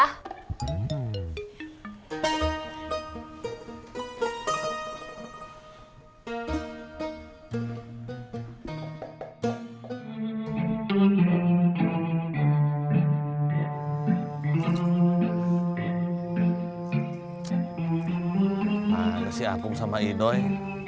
nah ini si angkung sama idoi